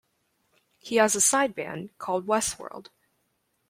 He has a side band called Westworld.